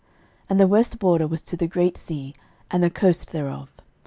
06:015:012 And the west border was to the great sea, and the coast thereof.